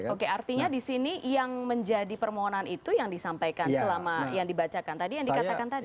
oke artinya di sini yang menjadi permohonan itu yang disampaikan selama yang dibacakan tadi yang dikatakan tadi